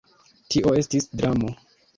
Tio estis dramo.